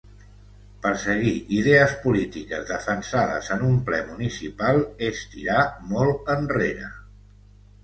Perseguir idees polítiques defensades en un ple municipal és tirar molt enrere.